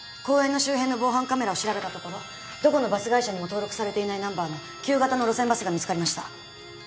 公園の周辺の防犯カメラを調べたところどこのバス会社にも登録されていないナンバーの旧型の路線バスが見つかりました。